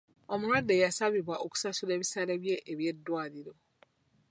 Omulwadde yasabibwa okusasula ebisale bye eby'eddwaliro.